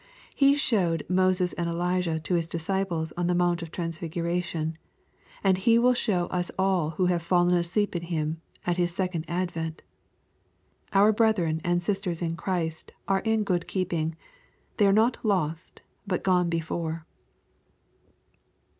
He showed Moses and Elijah to His disciples on the Mount of Transfiguration, and He will show us all who have fallen asleep in Him, at His second advent. Our brethren and sisters in Christ are in good keeping. They are not lost, but gone before.